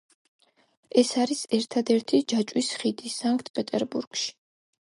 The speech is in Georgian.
ეს არის ერთადერთი ჯაჭვის ხიდი სანქტ-პეტერბურგში.